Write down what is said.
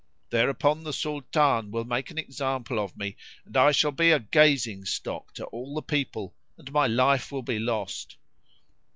Thereupon the Sultan will make an example of me, and I shall be a gazing stock to all the people and my life will be lost."